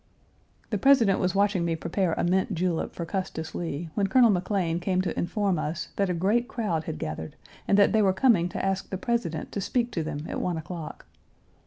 The President was watching me prepare a mint julep for Custis Lee when Colonel McLean came to inform us that a great crowd had gathered and that they were coming to ask the President to speak to them at one o'clock.